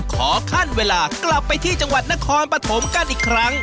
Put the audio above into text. ขอขั้นเวลากลับไปที่จังหวัดนครปฐมกันอีกครั้ง